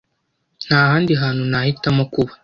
Nta handi hantu nahitamo kuba.